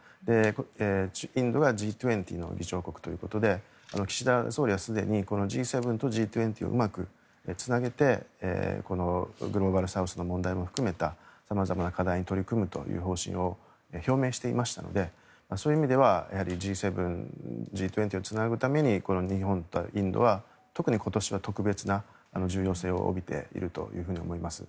インドがＧ２０の議長国ということで岸田総理は、すでにこのＧ７とＧ２０をうまくつなげてグローバルサウスの問題も含めた様々な課題に取り組むという方針を表明していましたのでそういう意味ではＧ７、Ｇ２０をつなぐために日本とインドは特に今年は特別な重要性を帯びていると思います。